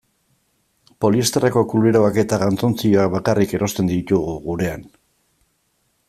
Poliesterreko kuleroak eta galtzontziloak bakarrik erosten ditugu gurean.